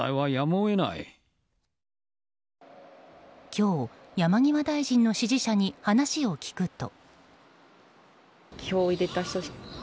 今日、山際大臣の支持者に話を聞くと。